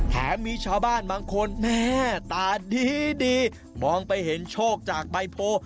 แถมมีชาวบ้านบางคนแม่ตาดีมองไปเห็นโชคจากใบโพ